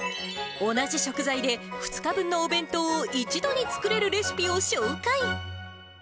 同じ食材で、２日分のお弁当を一度に作れるレシピを紹介。